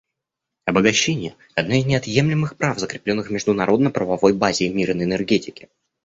Обогащение — одно из неотъемлемых прав, закрепленных в международно-правовой базе мирной энергетики.